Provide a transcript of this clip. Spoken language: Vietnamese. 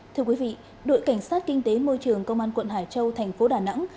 thưa quý vị đội cảnh sát kinh tế môi trường công an quận hải châu thành phố đà nẵng